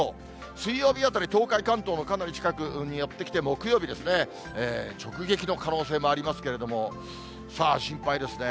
水曜日あたり、東海、関東のかなり近くに寄ってきて、木曜日ですね、直撃の可能性もありますけれども、さあ、心配ですね。